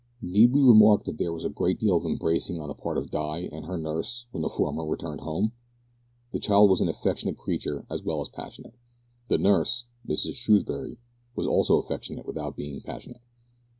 Need we remark that there was a great deal of embracing on the part of Di and her nurse when the former returned home? The child was an affectionate creature as well as passionate. The nurse, Mrs Screwbury, was also affectionate without being passionate.